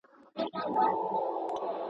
کرنه د تجربو بنسټ دی.